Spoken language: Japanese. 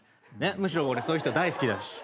むしろ俺そういう人大好きだし。